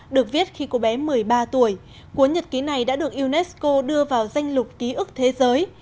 được viết khi cô bé một mươi ba tuổi cuốn nhật ký này đã được unesco đưa vào danh lục ký ức thế giới